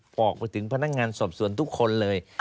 บอกไปถึงพนักงานสอบสวนทุกคนเลย